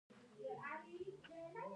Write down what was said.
د غزني په خوږیاڼو کې د څه شي نښې دي؟